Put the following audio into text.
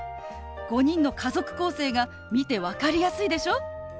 ５人の家族構成が見て分かりやすいでしょ？